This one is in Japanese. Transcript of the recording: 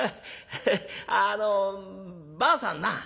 あのばあさんな